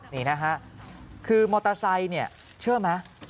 นี่นะฮะคือมอเตอร์ไซค์เนี่ยเชื่อไหม